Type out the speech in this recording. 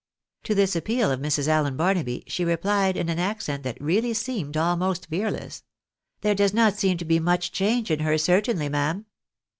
To this appeal of Mrs. Allen Barnaby, she repUed in an accent that reaUy seemed almost fearless —" There does not seem to be much change in her, certainly, ma'am."